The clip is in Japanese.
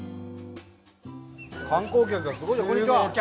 観光客がすごいね。